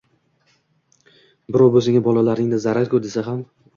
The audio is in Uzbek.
Birov “bu senga, bolalaringa zarar-ku!” – desa ham